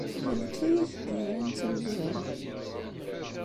D nekk ay ak-d-yuran d tamezwarut.